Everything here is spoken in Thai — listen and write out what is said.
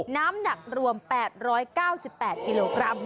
น้ำหนักรวม๘๙๘กิโลกรัม